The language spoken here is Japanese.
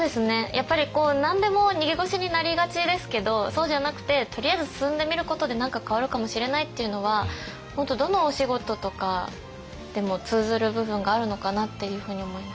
やっぱり何でも逃げ腰になりがちですけどそうじゃなくてとりあえず進んでみることで何か変わるかもしれないっていうのは本当どのお仕事とかでも通ずる部分があるのかなっていうふうに思います。